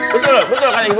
hahaha betul betul pak riza